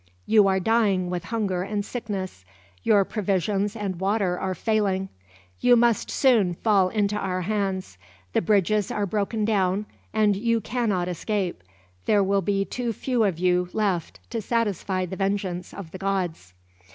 You are dying with hunger and sickness. Your provisions and water are failing. You must soon fall into our hands. The bridges are broken down, and you cannot escape. There will be too few of you left to satisfy the vengeance of the gods."